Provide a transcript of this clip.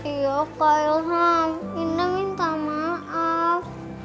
iya kak ilham indah minta maaf